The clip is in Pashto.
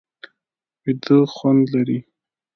ویده خوند لري